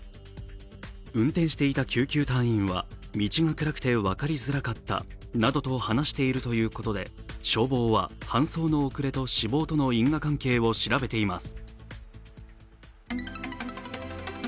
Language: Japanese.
運転していた救急隊員は道が暗くて分かりづらかったなどと話しているということで消防は搬送の遅れと死亡との因果関係を調べています。